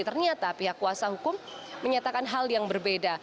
ternyata pihak kuasa hukum menyatakan hal yang berbeda